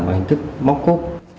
mà hình thức móc cốp